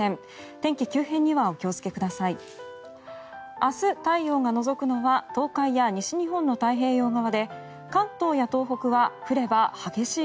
天気急変にはお気をつけください。